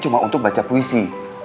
cuma untuk baca puisi